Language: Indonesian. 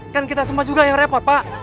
kan kita semua juga yang repot pak